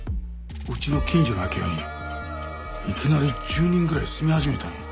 うちの近所の空き家にいきなり１０人ぐらい住み始めたんや。